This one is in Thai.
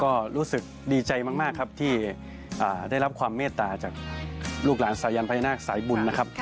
ก็รู้สึกดีใจมากครับที่ได้รับความเมตตาจากลูกหลานสายันพญานาคสายบุญนะครับ